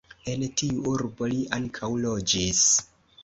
En tiu urbo li ankaŭ loĝis.